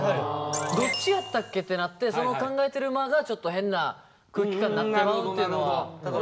「どっちやったっけ？」ってなってその考えてる間がちょっと変な空気感なってまうっていうのは。